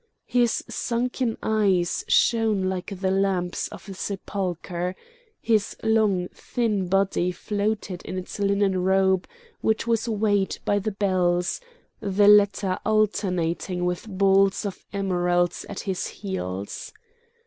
His sunken eyes shone like the lamps of a sepulchre; his long thin body floated in its linen robe which was weighted by the bells, the latter alternating with balls of emeralds at his heels.